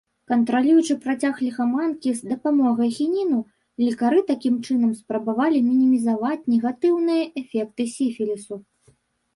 Кантралюючы працяг ліхаманкі з дапамогай хініну, лекары такім чынам спрабавалі мінімізаваць негатыўныя эфекты сіфілісу.